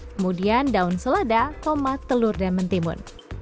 kemudian daun selada tomat telur dan mentimun